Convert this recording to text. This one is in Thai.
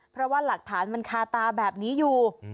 เพราะว่าหลักฐานมันคาตาแบบนี้อยู่